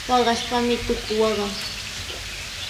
Paqaspami tuku waqan.